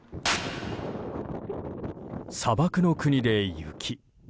砂漠の国で雪。